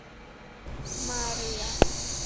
มาเรีย